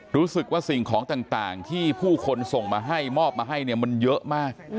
รู้สึกว่าสิ่งของต่างที่ผู้คนส่งมาให้มอบมาให้เนี่ยมันเยอะมาก